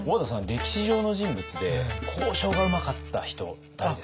歴史上の人物で交渉がうまかった人誰ですか？